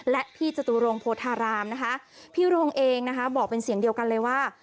และพี่จตุรงโพธารามนะคะพี่โรงเองนะคะบอกเป็นเสียงเดียวกันเลยว่า